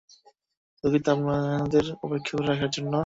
দুঃখিত আপনাদের অপেক্ষা করিয়ে রাখার জন্য।